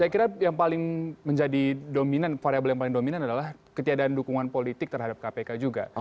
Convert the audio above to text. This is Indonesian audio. saya kira yang paling menjadi dominan variable yang paling dominan adalah ketiadaan dukungan politik terhadap kpk juga